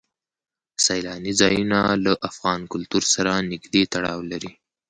سیلاني ځایونه له افغان کلتور سره نږدې تړاو لري.